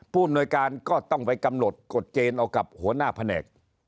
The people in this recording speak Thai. ผู้อำนวยการก็ต้องไปกำหนดกฎเกณฑ์เอากับหัวหน้าแผนก